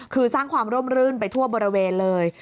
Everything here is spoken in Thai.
คือสร้างความร่มรื่นไปทั่วบริเวณเลย